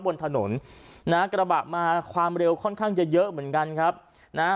บนถนนนะฮะกระบะมาความเร็วค่อนข้างจะเยอะเหมือนกันครับนะฮะ